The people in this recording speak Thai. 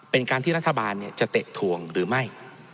เป็นการที่รัฐบาลจะเตะถวงหรือไม่